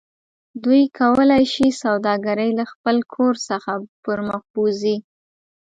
دوی کولی شي سوداګرۍ له خپل کور څخه پرمخ بوځي